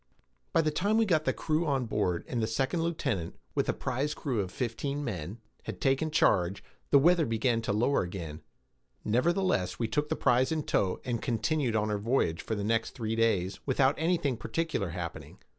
By the time we got the crew on board, and the second lieutenant, with a prize crew of fifteen men, had taken charge, the weather began to lower again; nevertheless we took the prize in tow, and continued on our voyage for the next three days, without anything particular happening.